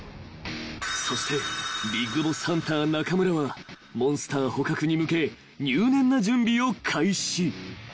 ［そしてビッグボスハンター中村はモンスター捕獲に向け入念な準備を開始］